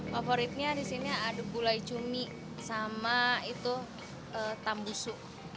favoritnya di sini ada gulai cumi sama itu tambusu